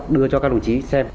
đưa cho các đồng chí xem